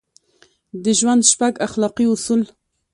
د ژوند شپږ اخلاقي اصول: